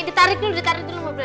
ditarik dulu ditarik dulu mbak belana